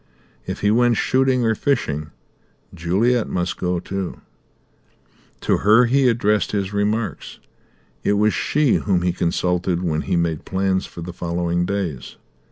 If he went shooting or fishing Juliet must go too; to her he addressed his remarks; it was she whom he consulted when he made plans for the following days.